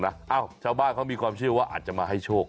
เอ้าชาวบ้านเขามีความเชื่อว่าอาจจะมาให้โชค